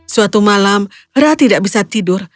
suatu malam rah tidak bisa tidur